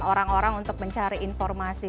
orang orang untuk mencari informasi